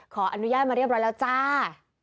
ขออนุญาตมาเรียบร้อยแล้วจ้า